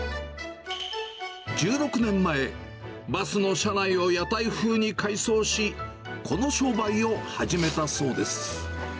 １６年前、バスの車内を屋台風に改装し、この商売を始めたそうです。